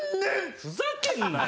ふざけんなよ！